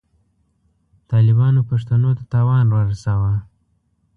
طالبانو پښتنو ته تاوان ورساوه.